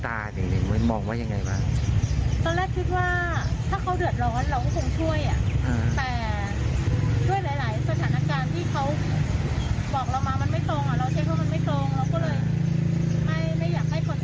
เราเช็คว่ามันไม่ตรงเราก็เลยไม่อยากให้คนอื่นเนี่ย